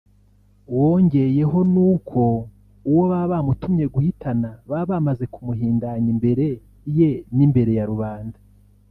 wongeyeho n’uko uwo baba bamutumye guhitana baba bamaze kumuhindanya imbere ye n’imbere ya rubanda